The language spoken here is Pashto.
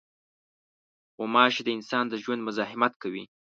غوماشې د انسان د ژوند مزاحمت کوي.